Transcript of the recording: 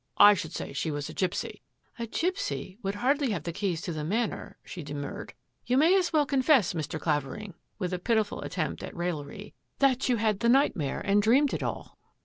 I should say she was a gipsy." " A gipsy would hardly have the keys to the Manor," she demurred. "You may as well con fess, Mr. Clavering," with a pitiful attempt at rail lery, " that you had the nightmare and dreamed it all."